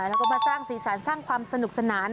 แล้วก็มาสร้างสีสันสร้างความสนุกสนาน